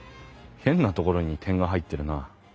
変なところに点が入ってるな。